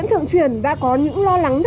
hoặc ở nước ngoài